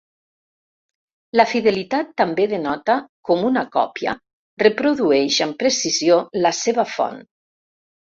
La fidelitat també denota com una còpia reprodueix amb precisió la seva font.